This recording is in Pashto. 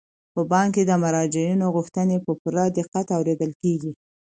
په بانک کې د مراجعینو غوښتنې په پوره دقت اوریدل کیږي.